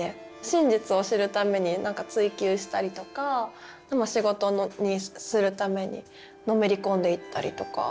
真実を知るために何か追求したりとかでも仕事にするためにのめり込んでいったりとか。